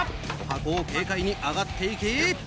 箱を軽快に上がって行き